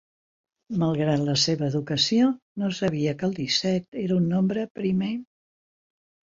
Malgrat la seva educació, no sabia que el disset era un nombre primer.